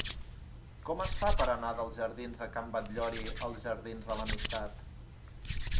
Com es fa per anar dels jardins de Can Batllori als jardins de l'Amistat?